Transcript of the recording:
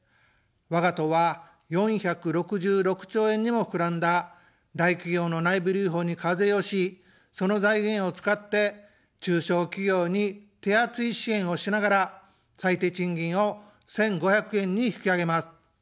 わが党は４６６兆円にもふくらんだ大企業の内部留保に課税をし、その財源を使って、中小企業に手厚い支援をしながら、最低賃金を１５００円に引き上げます。